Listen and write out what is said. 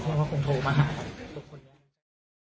ก็รู้ว่ามีใครลืมของไว้ไหมแล้วก็จัดความว่าคงโทรมาหา